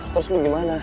terus lo gimana